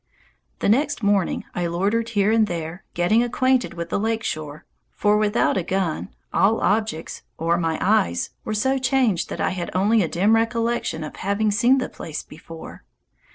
The next morning I loitered here and there, getting acquainted with the lake shore, for without a gun all objects, or my eyes, were so changed that I had only a dim recollection of having seen the place before.